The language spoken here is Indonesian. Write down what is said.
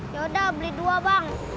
yaudah beli dua bang